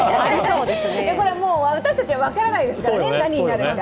これはもう私たちは分からないですからね。